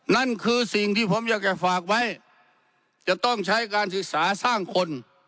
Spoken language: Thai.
นั่นคือสิ่งที่ผมอยากจะฝากไว้จะต้องใช้การศึกษาสร้างคน